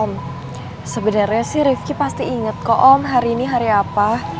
hmm sebenarnya sih rifki pasti inget kok om hari ini hari apa